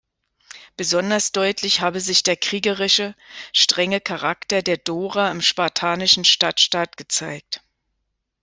Besonders deutlich habe sich der kriegerische, strenge Charakter der Dorer im spartanischen Stadtstaat gezeigt.